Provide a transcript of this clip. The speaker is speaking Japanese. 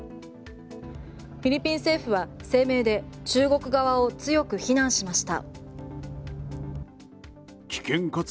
フィリピン政府は声明で中国側を強く非難しました。